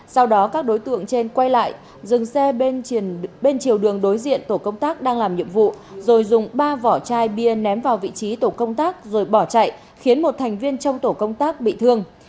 sau đó các đối tượng trên quay lại dừng xe bên chiều đường đối diện tổ công tác đang làm nhiệm vụ rồi dùng ba vỏ chai bia ném vào vị trí tổ công tác rồi bỏ chạy khiến một thành viên trong tổ công tác bị thương